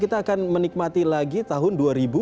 kita akan menikmati lagi tahun dua ribu dua puluh